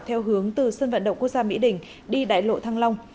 theo hướng từ sơn vận động quốc gia mỹ đình đi đáy lộ thăng long